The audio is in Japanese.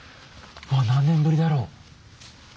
ああ何年ぶりだろう。